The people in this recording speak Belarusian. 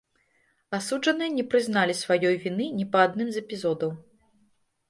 Асуджаныя не прызналі сваёй віны ні па адным з эпізодаў.